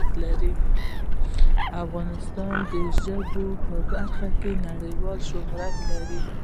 افغانستان د ژبو په برخه کې نړیوال شهرت لري.